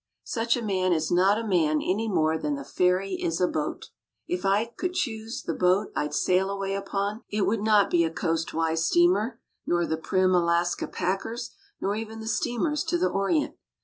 Such a man is not a man any more than the ferry is a boat. If I could choose the boat I'd sail away upon, it would not be a coast wise steamer, nor the prim Alaska packers nor even the steamers to the Orient.